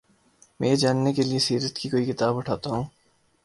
میں یہ جاننے کے لیے سیرت کی کوئی کتاب اٹھاتا ہوں۔